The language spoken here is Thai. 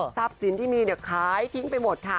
สินที่มีขายทิ้งไปหมดค่ะ